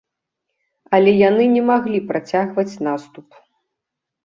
Але яны не маглі працягваць наступ.